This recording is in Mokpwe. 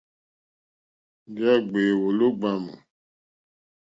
Ndǐ à ɡbě wòló ɡbámù.